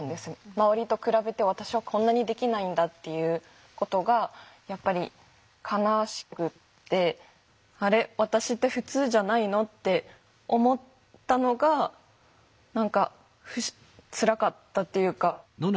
周りと比べて私はこんなにできないんだっていうことがやっぱり悲しくて「あれ私って普通じゃないの？」って思ったのが何かつらかったというか。